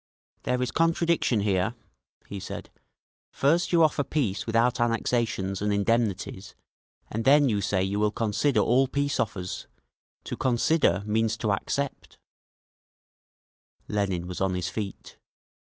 "There is contradiction here," he said. "First you offer peace without annexations and indemnities, and then you say you will consider all peace offers. To consider means to accept…." Lenin was on his feet.